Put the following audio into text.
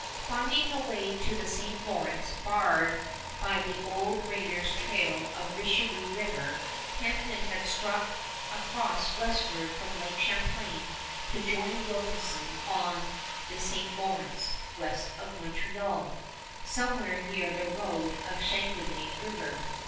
Finding the way to the St. Lawrence barred by the old raiders' trail of Richelieu River, Hampton had struck across westward from Lake Champlain to join Wilkinson on the St. Lawrence, west of Montreal, somewhere near the road of Chateauguay River.